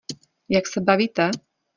Jak se bavíte?